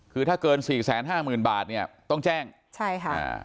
คือถ้าเกินสี่แสนห้าหมื่นบาทเนี่ยต้องแจ้งใช่ค่ะอ่า